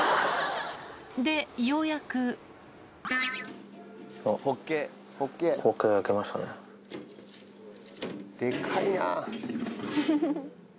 でようやくデカいな。